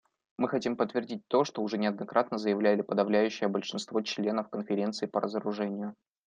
Мы хотим подтвердить то, что уже неоднократно заявляли подавляющее большинство членов Конференции по разоружению.